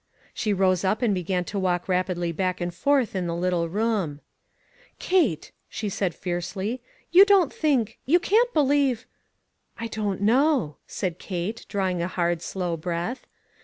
She rose up and began to walk rapidly back and forth in the little room. 480 ONE COMMONPLACE DAY. "Kate," she said fiercely, 'you don't think; you can't believe —" "I don't know," said Kate, drawing a hard, slow breath.